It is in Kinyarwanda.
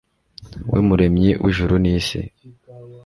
We Muremyi w’ijuru n’isi